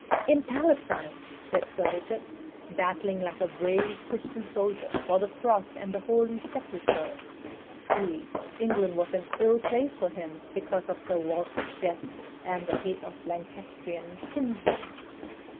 "In Palestine," said Sir Richard, "battling like a brave Christian soldier for the cross and the holy sepulcher. Truly, England was an ill place for him because of Sir Walter's death and the hate of the Lancastrian's kinsmen."